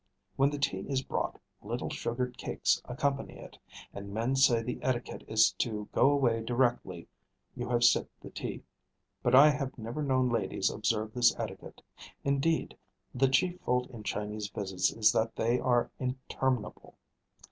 When the tea is brought, little sugared cakes accompany it; and men say the etiquette is to go away directly you have sipped the tea. But I have never known ladies observe this etiquette. Indeed, the chief fault in Chinese visits is that they are interminable.